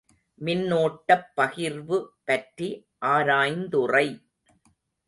மின்னோட்டப் பகிர்வு பற்றி ஆராயுந்துறை.